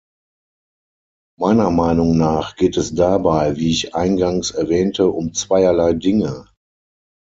Meiner Meinung nach geht es dabei, wie ich eingangs erwähnte, um zweierlei Dinge.